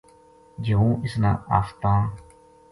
جے ہوں اس نے آفتاں